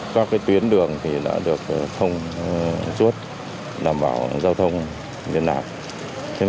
các tuyến đường đã được thông suốt đảm bảo giao thông nhân đạo